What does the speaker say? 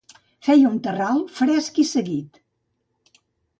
Feia un terral fresc i seguit.